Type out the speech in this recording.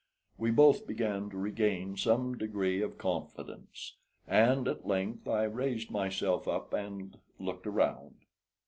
We both began to regain some degree of confidence, and at length I raised myself up and looked around.